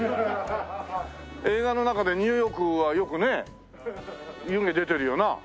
映画の中でニューヨークはよくね湯気出てるよな？